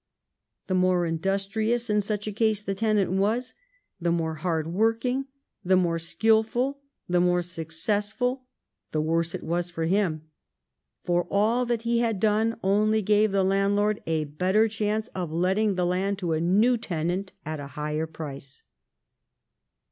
The more industrious in such a case the tenant was, the more hard working, the more skilful, the more successful, the worse it was with him — for all that he had done only gave the landlord a better chance of letting the land to a new tenant at a higher price.